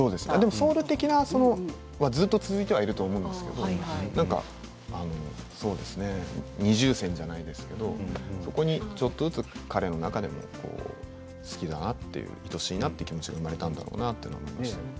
ソウル的なものは、ずっと続いていると思うんですけれど二重線じゃないですけれどそこにちょっとずつ彼の、好きだな、いとしいなという気持ちが生まれたんだろうなと思います。